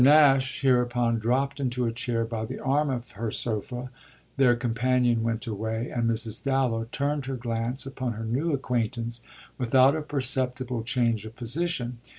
Nash hereupon dropped into a chair by the arm of her sofa, their companion went away, and Mrs. Dallow turned her glance upon her new acquaintance without a perceptible change of position.